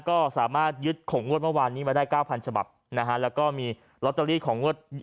ก็สามารถยึดของงวดเมื่อวานนี้มาได้๙๐๐ฉบับนะฮะแล้วก็มีลอตเตอรี่ของงวด